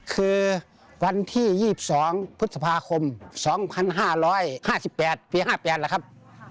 คือวันที่๒๒พฤษภาคม๒๕๕๘ปี๕๘ล่ะครับ